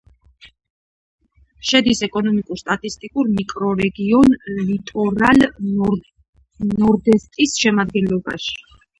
შედის ეკონომიკურ-სტატისტიკურ მიკრორეგიონ ლიტორალ-ნორდესტის შემადგენლობაში.